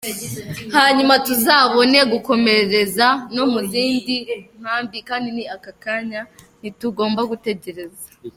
Hanyuma tuzabone gukomereza no mu zindi nkambi kandi ni aka kanya ntitugomba gutegereza.